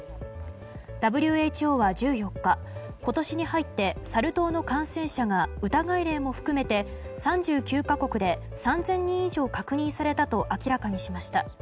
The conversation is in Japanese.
ＷＨＯは１４日、今年に入ってサル痘の感染者が疑い例も含めて３９か国で３０００人以上確認されたと明らかにしました。